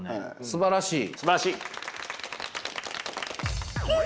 すばらしい。